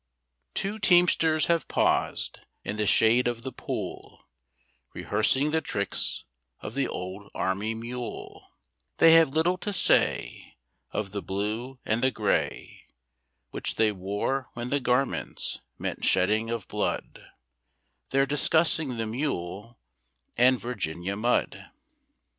'Two teamsters have paused, in the shade of the pool, Kehearsing the tricks of the old army mule ; They have little to say Of the hlue and the gray, "Which they wore when the garments meant shedding of blood — They're discussing the mule and ' Virginia mud.'